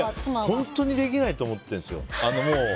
本当にできないと思ってるんですよ。